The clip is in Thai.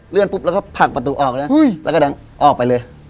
เลื่อนปุ๊บแล้วก็ผลักประตูออกแล้วแล้วก็ดังออกไปเลย